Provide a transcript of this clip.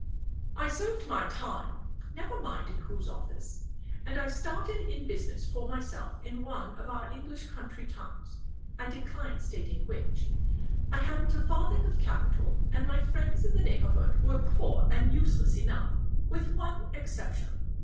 I served my time never mind in whose office and I started in business for myself in one of our English country towns, I decline stating which. I hadn't a farthing of capital, and my friends in the neighborhood were poor and useless enough, with one exception.